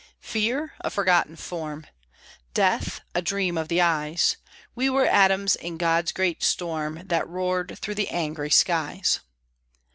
Fear? A forgotten form! Death? A dream of the eyes! We were atoms in God's great storm That roared through the angry skies.